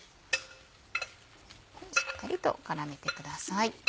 しっかりと絡めてください。